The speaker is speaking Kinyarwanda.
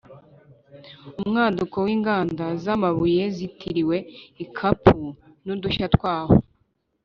Umwaduko w’inganda z’amabuye zitiriwe i Kapu n’udushya twaho